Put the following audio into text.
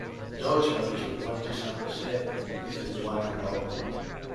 Daughters went to San Jose, if they went at all.